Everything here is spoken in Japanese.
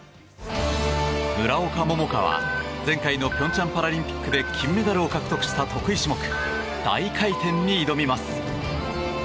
村岡桃佳は前回の平昌パラリンピックで金メダルを獲得した得意種目大回転に挑みます。